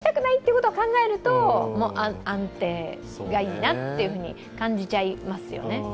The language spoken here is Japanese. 失敗したくないということを考えると安定がいいなって感じちゃいますよね。